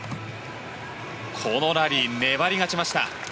このラリー粘り勝ちました。